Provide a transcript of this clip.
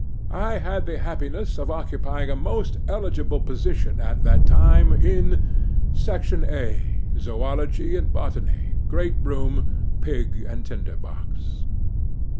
I had the happiness of occupying a most eligible position at that time, in 'SECTION A.—ZOOLOGY AND BOTANY. GREAT ROOM, PIG AND TINDER BOX.